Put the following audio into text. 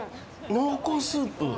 濃厚スープ。